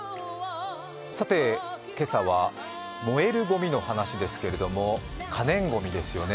さて、今朝は燃えるごみの話ですけども可燃ごみですよね。